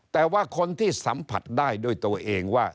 แต่ว่าคนที่สัมผัสได้ด้วยตัวเองว่า